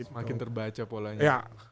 makin terbaca polanya